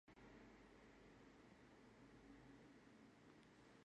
ალალ-მართალ კოჩის ღორონთი ვემიოდინუანსია